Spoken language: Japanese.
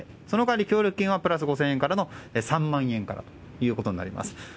その代わり協力金はプラス５０００円からの３万円からということになります。